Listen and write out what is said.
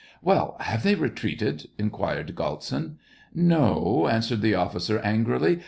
"Well, have they retreated.?" inquired Gait sin. "No," answered the officer, angrily.